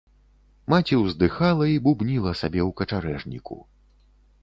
Маці ўздыхала і бубніла сабе ў качарэжніку.